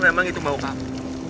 aku memang itu mau kamu